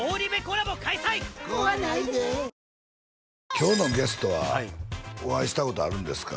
今日のゲストはお会いしたことあるんですか？